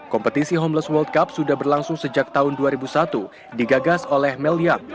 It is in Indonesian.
kompetisi homeless world cup sudah berlangsung sejak tahun dua ribu satu digagas oleh meliam